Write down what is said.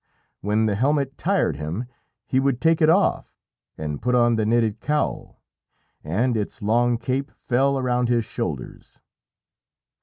When the helmet tired him he would take it off and put on the knitted cowl, and its long cape fell around his shoulders.